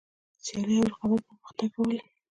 سیالي او رقابت پرمختګ راولي.